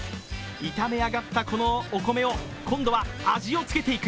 炒め上がったこのお米を、今度は味をつけていく。